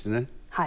はい。